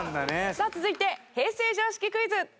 さあ続いて平成常識クイズ。